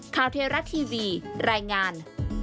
คราวเทราะห์ทีวีรายงาน